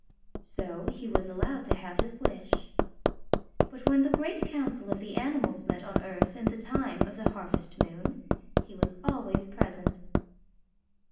So he was allowed to have his wish. But when the Great Council of the animals met on earth in the time of the harvest moon, he was always present.